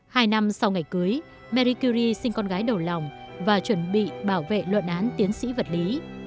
hai năm sau ngày cưới marikuri sinh con gái đầu lòng và chuẩn bị bảo vệ luận án tiến sĩ vật lý